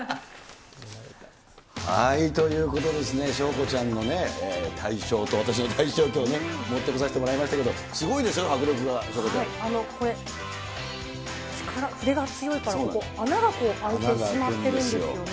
ということでですね、翔子ちゃんのね、大笑と私も大笑と持ってこさせてもらいましたけど、すごいですね、これ、筆が強いから、穴が開いてしまってるんですよね。